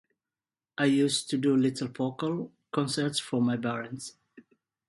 I used to do little vocal concerts for my parents.